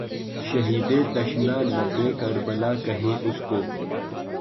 شہیدِ تشنہ لبِ کربلا کہیں اُس کو